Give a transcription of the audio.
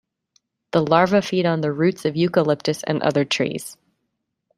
The larvae feed on the roots of "Eucalyptus" and other trees.